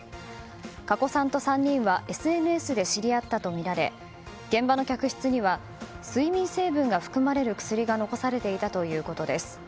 加古さんと３人はＳＮＳで知り合ったとみられ現場の客室には睡眠成分が含まれる薬が残されていたということです。